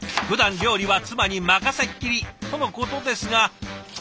ふだん料理は妻に任せっきりとのことですが。